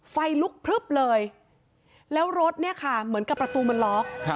ไฟลุกพลึบเลยแล้วรถเนี่ยค่ะเหมือนกับประตูมันล็อก